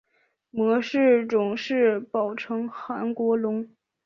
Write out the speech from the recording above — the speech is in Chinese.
模式种是宝城韩国龙。